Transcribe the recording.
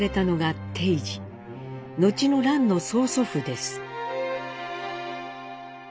後の蘭の曽祖父です。